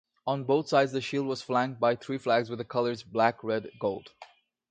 On both sides the shield was flanked by three flags with the colours black-red-gold.